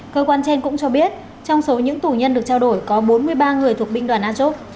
cơ quan trên cũng cho biết trong số những tù nhân được trao đổi có bốn mươi ba người thuộc binh đoàn ajov